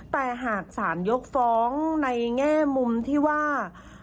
แต่หากสารยกฟ้องในแง่มุมที่ว่า